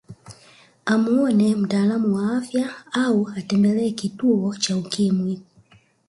Amuone mtaalamu wa afya au atembelee kituo cha Ukimwi